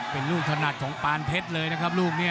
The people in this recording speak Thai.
เป็นลูกถนัดของปานเพชรเลยนะครับลูกนี้